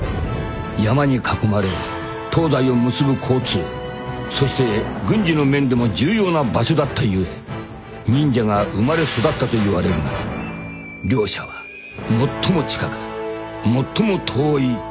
［山に囲まれ東西を結ぶ交通そして軍事の面でも重要な場所だった故忍者が生まれ育ったといわれるが両者は最も近く最も遠い敵同士なのだ］